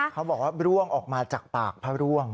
เขาบอกว่าร่วงออกมาจากปากพระร่วง